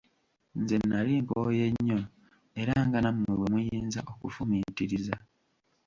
Nze nali nkooye nnyo era nga nammwe bwe muyinza okufumiitiriza.